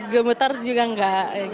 gemetar juga enggak